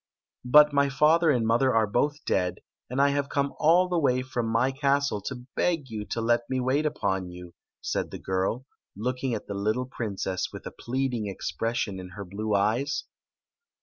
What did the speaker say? " But my father and mother are both dead ; and I have come all the way from my castle to beg you to let me wait upon you," said the girl, looking at the little princess with a pleading expression in her blue eyes.